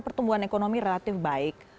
pertumbuhan ekonomi relatif baik